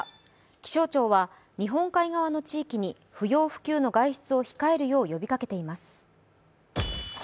気象庁は日本海側の地域に不要不急の外出を控えるよう呼びかけています。